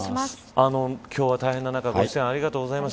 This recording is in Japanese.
今日は大変な中ありがとうございます。